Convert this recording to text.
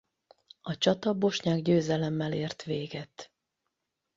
A csata bosnyák győzelemmel ért véget.